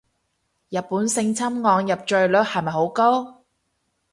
日本性侵案入罪率係咪好高